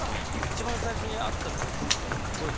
一番最初に会った時とかって覚えてますか？